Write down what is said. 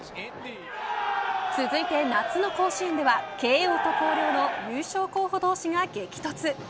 続いて夏の甲子園では慶応と広陵の優勝候補同士が激突。